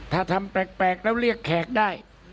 ถ้าทำแปลกแล้วเรียกแขกได้